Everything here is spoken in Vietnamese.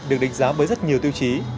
được đánh giá bởi rất nhiều tiêu chí